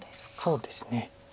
そうですね。